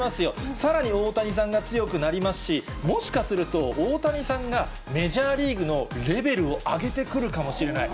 さらに大谷さんが強くなりますし、もしかすると、大谷さんがメジャーリーグのレベルを上げてくるかもしれない。